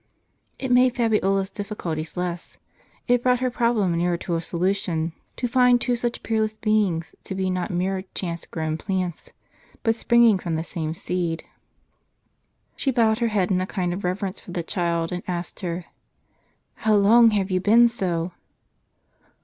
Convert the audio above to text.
It made Fabiola' s difficulties less, it brought her problem nearer to a solution, to find two such peerless beings to be not mere chance grown plants, but springing from the same seed. She bowed her head in a kind of reverence for the child, and asked her, " How long have you been so?